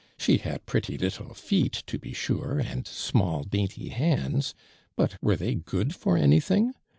She had pretty little feet to be sure and small dainty hands, l)ut were they gootl for anything